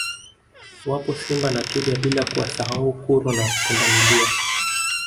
Wapo Simba na Twiga bila kuwasau kuro na Pundamilia